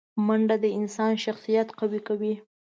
منډه د انسان شخصیت قوي کوي